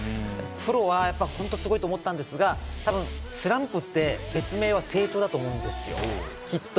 プロはすごいなと思ったんですが、スランプって別名は成長だと思うんです、きっと。